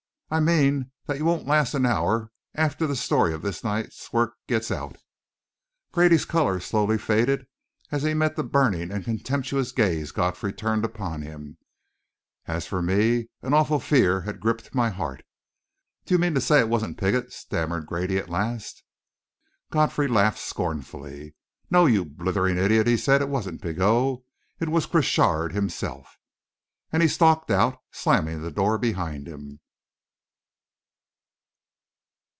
"I mean that you won't last an hour after the story of this night's work gets out." Grady's colour slowly faded as he met the burning and contemptuous gaze Godfrey turned upon him. As for me, an awful fear had gripped my heart. "Do you mean to say it wasn't Piggott?" stammered Grady, at last. Godfrey laughed scornfully. "No, you blithering idiot!" he said. "It wasn't Pigot. It was Crochard himself!" And he stalked out, slamming the door behind him.